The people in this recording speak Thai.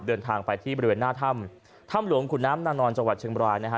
เดินทางไปที่บริเวณหน้าถ้ำถ้ำหลวงขุนน้ำนานอนจังหวัดเชียงบรายนะฮะ